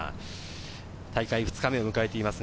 大会２日目を迎えています。